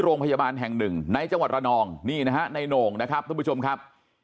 โรงพยาบาลแห่งหนึ่งในจังหวัดระนองนี่นะฮะในโหน่งนะครับท่านผู้ชมครับ